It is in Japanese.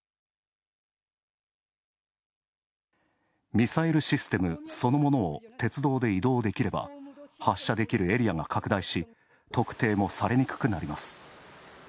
ミサイルシステムそのものを鉄道で移動できれば発射できるエリアが拡大し、特定もされにくくなります。